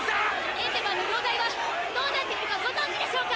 エンデヴァーの容態はどうなっているかご存じでしょうか！？